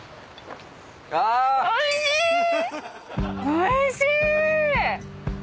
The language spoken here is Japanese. おいしーい！